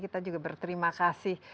kita juga berterima kasih